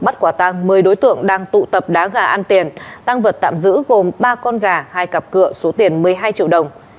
bắt quả tăng một mươi đối tượng đang tụ tập đá gà ăn tiền tăng vật tạm giữ gồm ba con gà hai cặp cửa số tiền một mươi hai triệu đồng